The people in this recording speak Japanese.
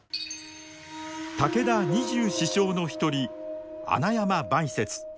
武田二十四将の一人穴山梅雪。